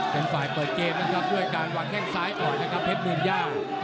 เป็นฝ่ายเปิดเกมนะครับด้วยการวางแข้งซ้ายก่อนนะครับเพชรเมืองย่า